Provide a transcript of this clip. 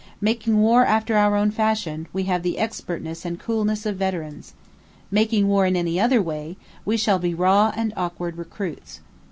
Making war after our own fashion, we have the expertness and coolness of veterans. Making war in any other way, we shall be raw and awkward recruits.